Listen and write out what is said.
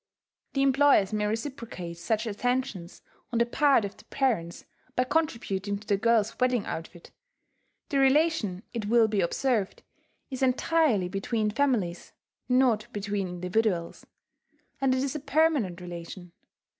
The employers may reciprocate such attentions on the part of the parents by contributing to the girl's wedding outfit. The relation, it will be observed, is entirely between families, not between individuals; and it is a permanent relation.